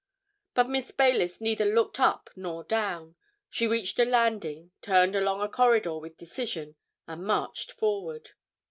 But Miss Baylis neither looked up nor down: she reached a landing, turned along a corridor with decision, and marched forward.